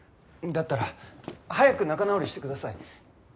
だったら早く仲直りしてください。